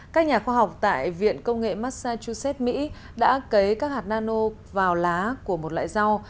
các nhà khoa học tại viện công nghệ massaguset mỹ đã cấy các hạt nano vào lá của một loại rau